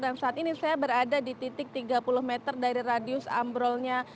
dan saat ini saya berada di titik tiga puluh meter dari radius ambrolnya